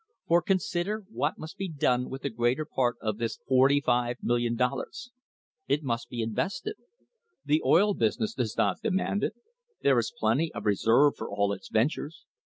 For, consider what must be done with the greater part of this $45,000,000. It must be invested. The oil business does not demand it. There is plenty of reserve for all of its ventures.